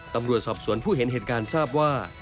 ตำรวจสอบสวนผู้เห็นเหตุการณ์ทราบว่า